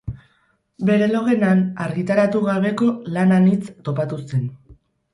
Bere logelan argitaratu gabeko lan anitz topatu zen.